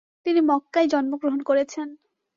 তিনি মক্কায় জন্মগ্রহণ করেছেন।